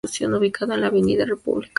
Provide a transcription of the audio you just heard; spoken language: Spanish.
Ubicado en la Avenida República.